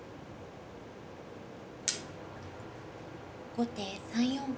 後手３四角。